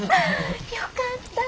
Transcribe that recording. よかった。